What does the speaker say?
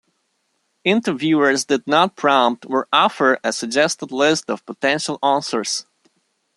Interviewers did not prompt or offer a suggested list of potential answers.